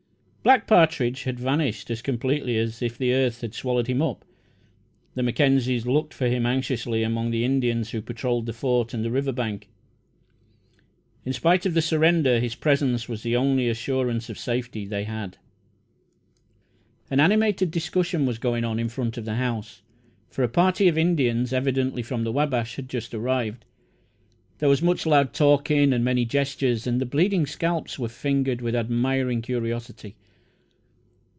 Black Partridge had vanished as completely as if the earth had swallowed him up. The Mackenzies looked for him anxiously among the Indians who patrolled the Fort and the river bank. In spite of the surrender, his presence was the only assurance of safety they had. An animated discussion was going on in front of the house, for a party of Indians, evidently from the Wabash, had just arrived. There was much loud talking and many gestures, and the bleeding scalps were fingered with admiring curiosity.